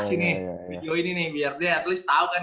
sini video ini nih biar dia at least tau kan